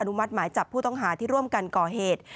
มัติหมายจับผู้ต้องหาที่ร่วมกันก่อเหตุ